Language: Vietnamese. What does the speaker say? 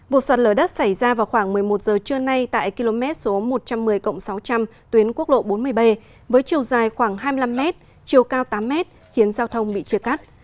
vụ sạt lở đất xảy ra vào khoảng một mươi một giờ trưa nay tại km một trăm một mươi sáu trăm linh tuyến quốc lộ bốn mươi b với chiều dài khoảng hai mươi năm m chiều cao tám m khiến giao thông bị chia cắt